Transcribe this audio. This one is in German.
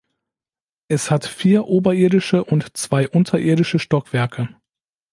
Es hat vier oberirdische und zwei unterirdische Stockwerke.